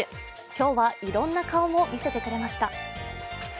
今日はいろいろな顔も見せてくれました。